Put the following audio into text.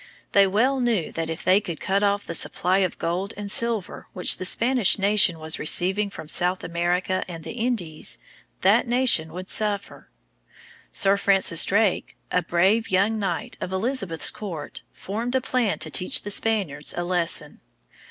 They well knew that if they could cut off the supply of gold and silver which the Spanish nation was receiving from South America and the Indies, that nation would suffer. Sir Francis Drake, a brave young knight of Elizabeth's court, formed a plan to teach the Spaniards a lesson.